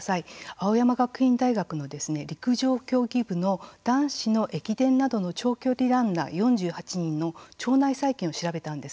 青山学院大学の陸上競技部の男子の駅伝などの長距離ランナー４８人の腸内細菌を調べたんですね。